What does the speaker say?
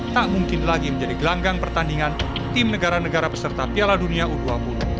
tak mungkin lagi menjadi gelanggang pertandingan tim negara negara peserta piala dunia u dua puluh